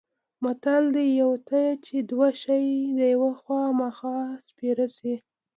متل دی: یوه ته چې دوه شي د یوه خوامخا سپېره شي.